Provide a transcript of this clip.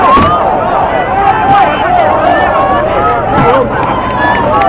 มีโอกาสมาตามความวุ่นบันและมีแรงการกันที่หลังจังงี้